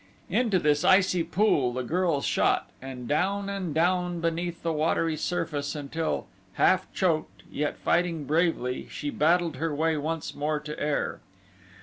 Into this icy pool the girl shot, and down and down beneath the watery surface until, half choked, yet fighting bravely, she battled her way once more to air.